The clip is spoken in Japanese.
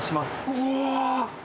うわ。